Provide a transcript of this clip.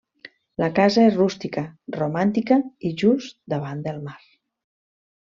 La casa és rústica, romàntica i just davant del mar.